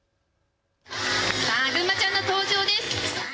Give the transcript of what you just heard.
ぐんまちゃんの登場です。